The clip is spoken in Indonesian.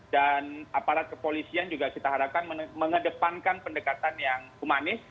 dan aparat kepolisian juga kita harapkan mengedepankan pendekatan yang humanis